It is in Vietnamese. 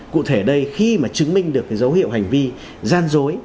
cụ thể đây khi mà chứng minh được cái dấu hiệu hành vi gian dối